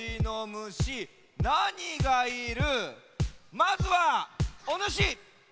まずはおぬし！